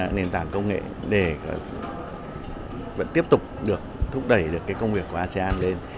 nền tảng công nghệ để vẫn tiếp tục được thúc đẩy được công việc của asean lên